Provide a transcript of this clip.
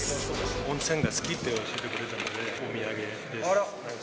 温泉が好きと教えてくれたのでお土産です。